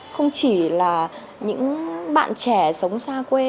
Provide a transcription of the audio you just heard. không chỉ là những bạn trẻ sống xa quê